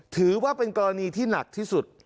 ถือว่าเป็นกรณีที่หนักที่สุด